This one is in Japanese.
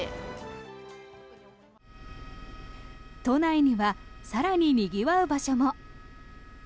都内には更ににぎわう場所も。